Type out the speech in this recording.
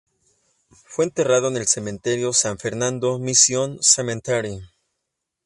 Fue enterrado en el Cementerio San Fernando Mission Cemetery.